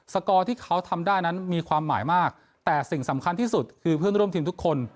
กอที่เขาทำได้นั้นมีความหมายมากแต่สิ่งสำคัญที่สุดคือเพื่อนร่วมทีมทุกคน